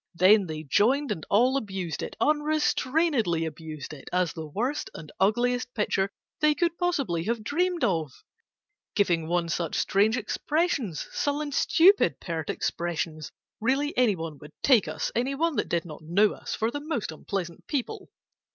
Then they joined and all abused it, Unrestrainedly abused it, As the worst and ugliest picture They could possibly have dreamed of. 'Giving one such strange expressions— Sullen, stupid, pert expressions. Really any one would take us (Any one that did not know us) For the most unpleasant people!